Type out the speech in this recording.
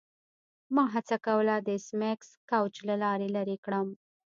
ما هڅه کوله د ایس میکس کوچ له لارې لیرې کړم